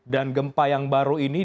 dan gempa yang baru ini